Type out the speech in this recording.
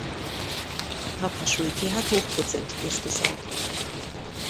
Herr Paschulke hat Hochprozentiges besorgt.